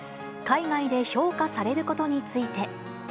海外で評価されることについて。